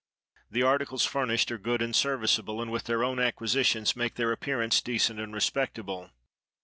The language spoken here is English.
The articles furnished are good and serviceable; and, with their own acquisitions, make their appearance decent and respectable.